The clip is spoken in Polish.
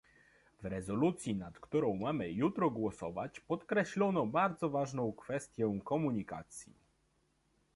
W rezolucji, nad którą mamy jutro głosować podkreślono bardzo ważną kwestię komunikacji